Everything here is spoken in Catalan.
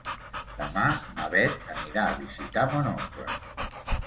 Demà na Beth anirà a visitar mon oncle.